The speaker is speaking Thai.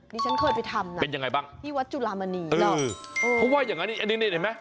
ฉันเคยไปทำนะเป็นยังไงบ้างที่วัดจุลามณีเออเขาว่าอย่างงั้นนี่อันนี้นี่เห็นไหม